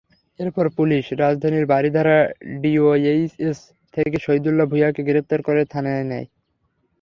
এরপর পুলিশ রাজধানীর বারিধারা ডিওএইচএস থেকে শহিদুল্লাহ ভূঁইয়াকে গ্রেপ্তার করে থানায় নেয়।